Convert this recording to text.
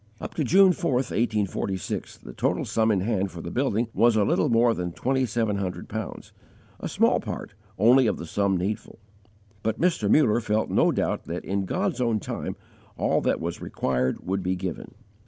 Up to June 4, 1846, the total sum in hand for the building was a little more than twenty seven hundred pounds, a small part only of the sum needful; but Mr. Muller felt no doubt that in God's own time all that was required would be given.